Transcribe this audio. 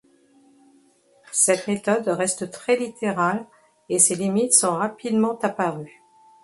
Cette méthode reste très littérale et ses limites sont rapidement apparues.